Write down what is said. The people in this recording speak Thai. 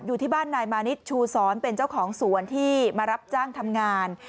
อยู่ที่บ้านนายมานิดชูสอนเป็นเจ้าของสวนที่มารับจ้างทำงาน